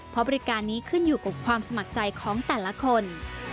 เพราะบริการนี้ขึ้นอยู่กับความสมัครใจของแต่ละคน